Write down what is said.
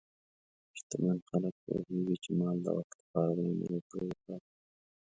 شتمن خلک پوهېږي چې مال د وخت لپاره دی، نه د تل لپاره.